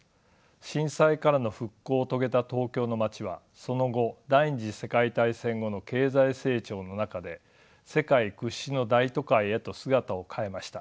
震災からの復興を遂げた東京の街はその後第２次世界大戦後の経済成長の中で世界屈指の大都会へと姿を変えました。